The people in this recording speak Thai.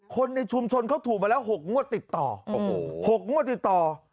คนในชุมชนเขาถูกมาแล้ว๖งวดติดต่อ